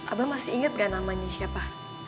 abang masih ingat gak namanya siapa